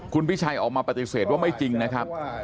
คุณพิชัยออกมาปฏิเสธว่าไม่จริงนะครับ